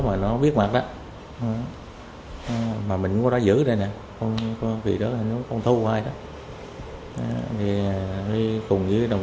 mà nó biết mặt đó mà mình có đã giữ đây nè không có gì đó là nó không thu hoài đó đi cùng với đồng